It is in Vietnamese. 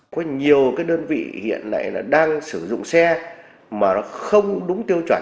có nhiều đơn vị hiện nay đang sử dụng xe mà nó không đúng tiêu chuẩn